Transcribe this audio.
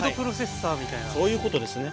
そういうことですね。